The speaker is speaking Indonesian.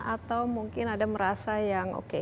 atau mungkin ada merasa yang oke